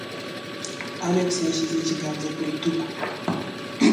Alex yashyize ikiganza ku rutugu.